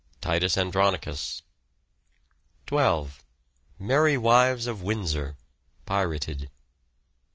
Titus Andronicus. 12. Merry Wives of Windsor (pirated).